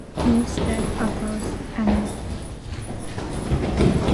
He stepped across and shut it.